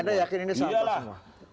anda yakin ini sampah semua